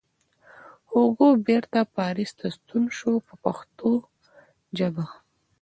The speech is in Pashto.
هوګو بېرته پاریس ته ستون شو په پښتو ژبه.